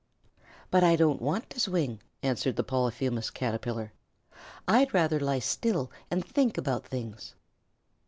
"But I don't want to swing," answered the Polyphemus Caterpillar. "I'd rather lie still and think about things."